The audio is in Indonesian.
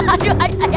aduh aduh aduh